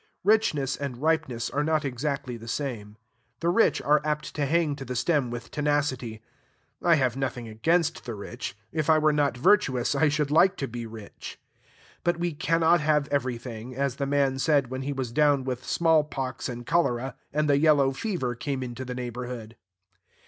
Richness and ripeness are not exactly the same. The rich are apt to hang to the stem with tenacity. I have nothing against the rich. If I were not virtuous, I should like to be rich. But we cannot have everything, as the man said when he was down with small pox and cholera, and the yellow fever came into the neighborhood.